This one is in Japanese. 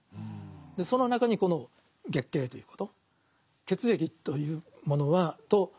その中にこの月経ということ。